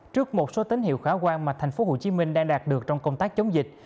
trước một số tín hiệu khả quan mà thành phố hồ chí minh đang đạt được trong công tác chống dịch